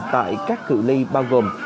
tại các cựu ly bao gồm